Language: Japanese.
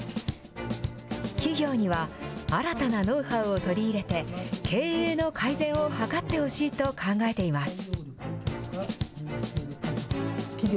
企業には、新たなノウハウを取り入れて、経営の改善を図ってほしいと考えています。